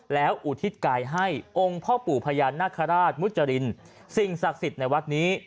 แล้วอุทิศกายให้องค์พ่อปู่พญานาคาราชมุจรินสิ่งศักดิ์สิทธิ์ในวัดนี้